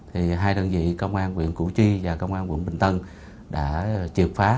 hai đơn vị công an tp hcm và công an tp hcm đã triệt phá